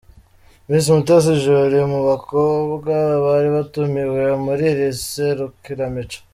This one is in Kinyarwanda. Miss Mutesi Jolly mu bakobwa bari batumiwe muri iri serukiramuco.